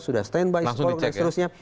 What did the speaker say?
sudah stand by spok dan seterusnya